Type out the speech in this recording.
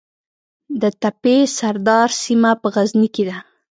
د تپې سردار سیمه په غزني کې ده